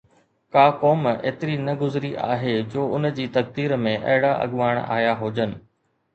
ڪا قوم ايتري نه گذري آهي جو ان جي تقدير ۾ اهڙا اڳواڻ آيا هجن.